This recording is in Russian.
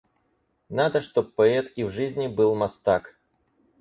Надо, чтоб поэт и в жизни был мастак.